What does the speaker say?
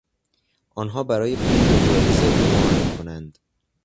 آنها برای پول یا جایزه قمار میکنند.